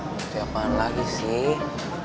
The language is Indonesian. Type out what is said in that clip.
bukti apaan lagi sih